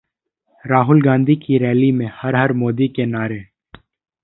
राहुल गांधी की रैली में 'हर हर मोदी...' के नारे